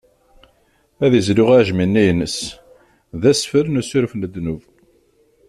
Ad izlu aɛejmi-nni ines, d asfel n usuref n ddnub.